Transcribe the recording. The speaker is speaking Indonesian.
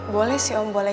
boleh sih om boleh